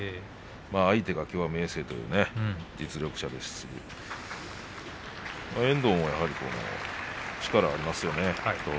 相手がきょう明生ですから実力者ですし遠藤も力がありますよね。